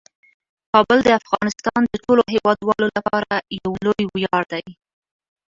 کابل د افغانستان د ټولو هیوادوالو لپاره یو لوی ویاړ دی.